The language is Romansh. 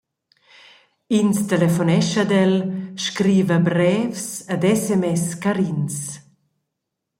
Ins telefonescha ad el, scriva brevs ed sms carins.